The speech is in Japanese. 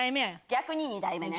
逆に２代目ね。